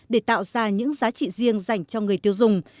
để tạo ra những giá trị riêng dành cho người tiêu dùng